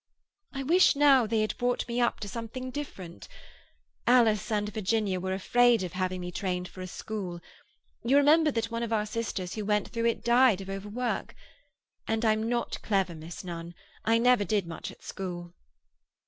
"I wish now they had brought me up to something different. Alice and Virginia were afraid of having me trained for a school; you remember that one of our sisters who went through it died of overwork. And I'm not clever, Miss Nunn. I never did much at school."